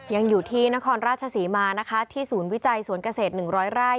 ยังอยู่ที่นครราชศรีมานะคะที่ศูนย์วิจัยสวนเกษตร๑๐๐ไร่